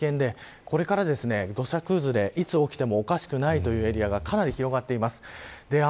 紫の所は非常に危険でこれから土砂崩れ、いつ起きてもおかしくないというエリアがかなり広がっています。